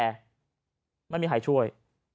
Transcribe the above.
แต่ไม่มีใครช่วย